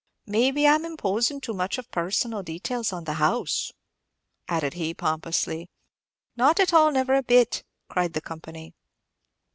"Maybe I'm imposin' too much of personal details on the house," added he, pompously. "Not at all; never a bit," cried the company.